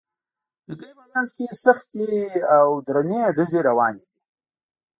د کلي په منځ کې سختې او درندې ډزې روانې دي